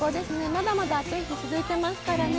まだまだ暑い日続いてますからね